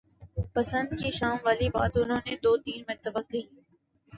پسند کی شام والی بات انہوں نے دو تین مرتبہ کہی۔